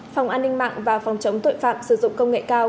phòng an ninh mạng và phòng chống tội phạm sử dụng công nghệ cao